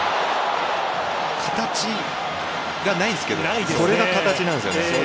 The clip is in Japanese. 形がないんですけどこれが形なんですよね。